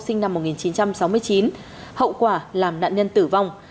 sinh năm một nghìn chín trăm sáu mươi chín hậu quả làm nạn nhân tử vong